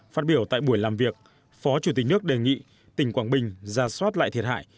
phát biểu tại buổi làm việc phó chủ tịch nước đề nghị tỉnh quảng bình ra soát lại thiệt hại